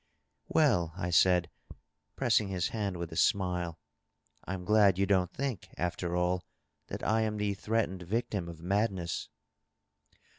" Well,'^ I said, pressing his hand with a smile, " Pm glad you don't think, after all, that I am the threatened victim of madness.'